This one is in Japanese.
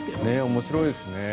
面白いですね。